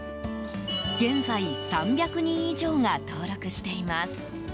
現在３００人以上が登録しています。